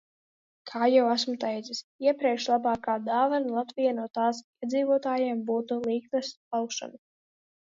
Kā jau esmu teicis iepriekš, labākā dāvana Latvijai no tās iedzīvotājiem būtu līknes laušana.